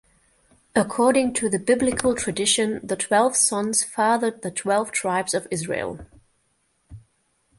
According to the biblical tradition, the twelve sons fathered the twelve tribes of Israel.